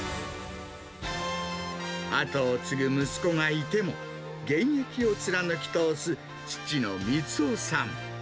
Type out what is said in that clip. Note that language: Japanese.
後を継ぐ息子がいても、現役を貫き通す父の光雄さん。